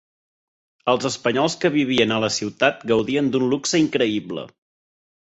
Els espanyols que vivien a la ciutat gaudien d'un luxe increïble.